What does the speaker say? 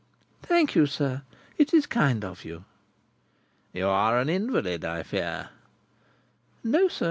"Thank you, sir. It is kind of you." "You are an invalid, I fear?" "No, sir.